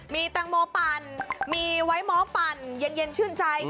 มีเตงโหมปั่นมีไว้หม้อปั่นเย็นเย็นชื่นใจทับผิมกรอบ